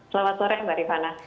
selamat sore mbak rifana